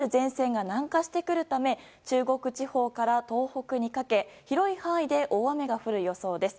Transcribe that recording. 更に東北にある前線が南下してくるため中国地方から東北にかけ広い範囲で大雨が降る予想です。